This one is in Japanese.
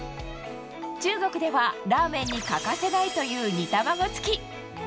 中国では、ラーメンに欠かせないという煮卵付き。